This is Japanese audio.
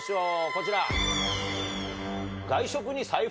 こちら。